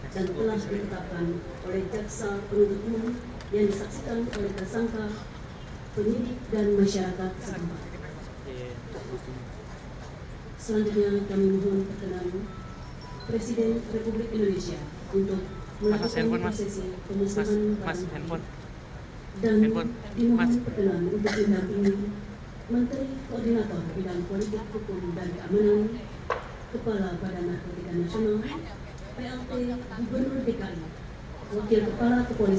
dan telah ditetapkan